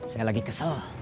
saya lagi kesel